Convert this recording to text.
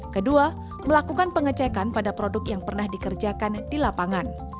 kedua melakukan pengecekan pada produk yang pernah dikerjakan di lapangan